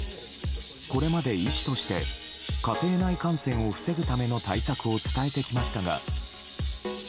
これまで医師として家庭内感染を防ぐための対策を伝えてきましたが。